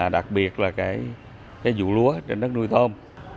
đặc biệt là cái vụ lúa trên đất nuôi tôm